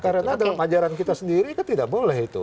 karena dalam ajaran kita sendiri kan tidak boleh itu